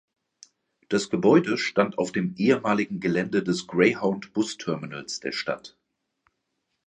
Das Gebäude stand auf dem ehemaligen Gelände des Greyhound-Bus- Terminals der Stadt.